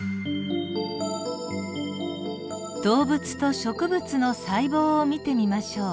動物と植物の細胞を見てみましょう。